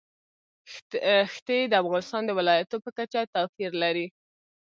ښتې د افغانستان د ولایاتو په کچه توپیر لري.